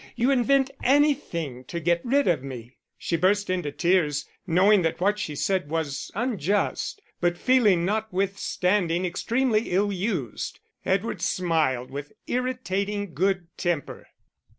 You invent anything to get rid of me." She burst into tears, knowing that what she said was unjust, but feeling notwithstanding extremely ill used. Edward smiled with irritating good temper.